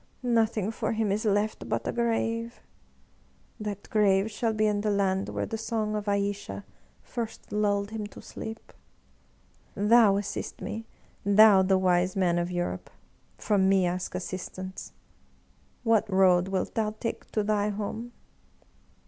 Nothing for him is left but a grave; that grave shall be in the land where the song of Ayesha first lulled him to sleep. Thou assist 99 English Mystery Stories ME — ^thou, the wise man of Europe! From me ask as sistance. What road wilt thou take to thy home